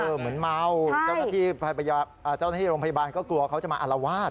เหมือนเมาเจ้าหน้าที่โรงพยาบาลก็กลัวเขาจะมาอารวาส